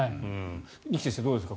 二木先生どうですか。